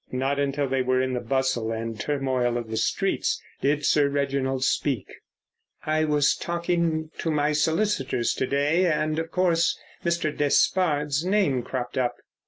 Not until they were in the bustle and turmoil of the streets did Sir Reginald speak. "I was talking to my solicitors to day, and, of course, Mr. Despard's name cropped up."